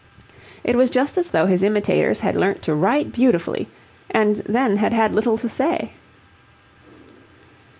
It was just as though his imitators had learnt to write beautifully and then had had little to say.